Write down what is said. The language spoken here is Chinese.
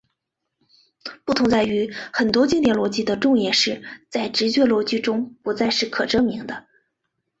不同在于很多经典逻辑的重言式在直觉逻辑中不再是可证明的。